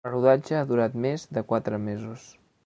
El rodatge ha durat més de quatre mesos.